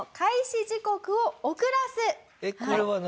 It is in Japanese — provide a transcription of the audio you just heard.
えっこれは何？